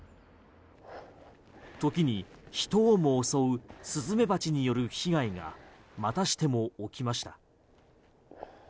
時に人をも襲うスズメバチによる被害がまたしても起きました。